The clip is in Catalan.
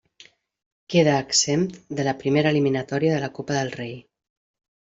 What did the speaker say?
Queda exempt de la primera eliminatòria de la Copa del Rei.